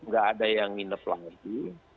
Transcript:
tidak ada yang minum lagi